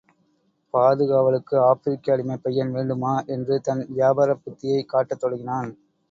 பாதுகாவலுக்கு ஆப்பிரிக்க அடிமைப் பையன் வேண்டுமா? என்று தன் வியாபாரத் புத்தியைக் காட்டத் தொடங்கினான்.